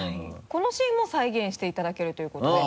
このシーンも再現していただけるということで。